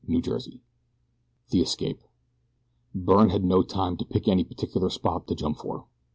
CHAPTER II. THE ESCAPE BYRNE had no time to pick any particular spot to jump for.